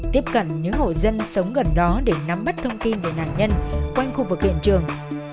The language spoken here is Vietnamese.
tiếp cận những hộ dân sống gần đó để nắm bắt thông tin về nạn nhân quanh khu vực hiện trường